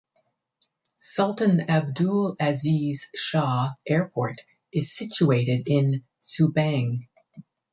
Sultan Abdul Aziz Shah Airport is situated in Subang.